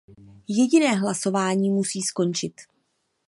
Jediné hlasování musí skončit.